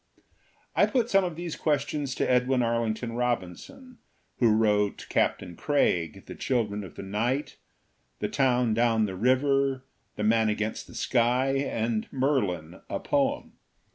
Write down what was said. I put some of these questions to Edwin Arling ton Robinson, who wrote Captain Craig, The Chil dren of the Night, The Town Down the River, The Man Against the Sky and Merlin: A Poem.